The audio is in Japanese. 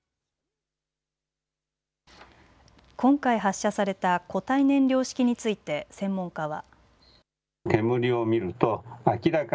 今回発射された固体燃料式について専門家は。